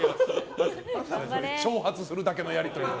挑発するだけのやり取り。